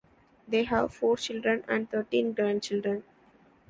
They have four children and thirteen grandchildren.